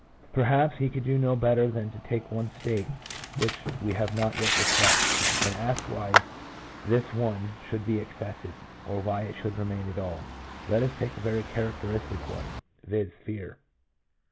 1 Perhaps we could do no better than to take one state which we have not yet discussed, and ask why this one should be excessive, or why it should remain at all. Let us take a very characteristic one — viz., fear.